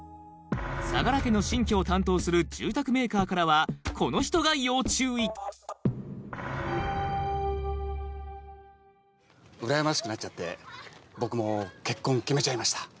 相良家の新居を担当する住宅メーカーからはこの人が要注意うらやましくなっちゃって僕も結婚決めちゃいました。